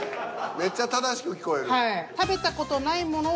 めっちゃ正しく聞こえる。